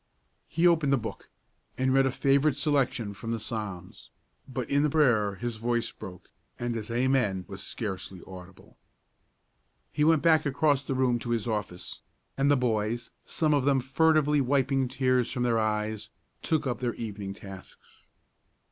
He opened the book, and read a favorite selection from the Psalms; but in the prayer his voice broke, and his "Amen" was scarcely audible. He went back across the room to his office; and the boys, some of them furtively wiping tears from their eyes, took up their evening tasks.